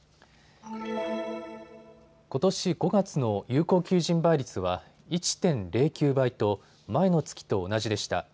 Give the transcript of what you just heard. ことし５月の有効求人倍率は１．０９倍と前の月と同じでした。